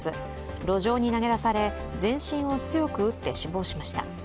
路上に投げ出され全身を強く打って死亡しました。